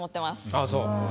ああそう。